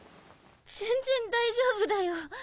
全然大丈夫だよ。